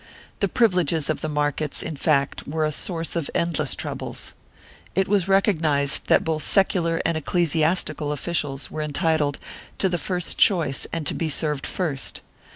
The privileges of the markets, in fact, were a source of endless troubles. It was recognized that both secular and ecclesiastical officials were entitled to the first choice and to be served first.